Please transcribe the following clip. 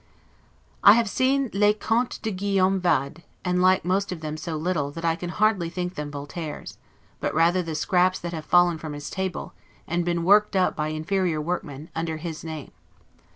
I have seen 'les Contes de Guillaume Vade', and like most of them so little, that I can hardly think them Voltaire's, but rather the scraps that have fallen from his table, and been worked up by inferior workmen, under his name.